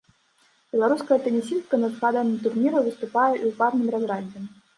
Беларуская тэнісістка на згаданым турніры выступае і ў парным разрадзе.